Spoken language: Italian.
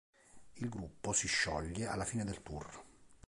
Il gruppo si scioglie alla fine del tour.